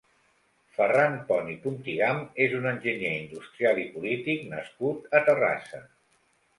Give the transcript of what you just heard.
Ferran Pont i Puntigam és un enginyer industrial i polític nascut a Terrassa.